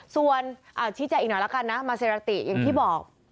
ส่วนชี้แจงอีกหน่อยละกันนะมาเซราติอย่างที่บอก